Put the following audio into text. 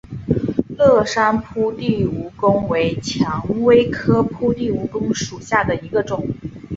乐山铺地蜈蚣为蔷薇科铺地蜈蚣属下的一个种。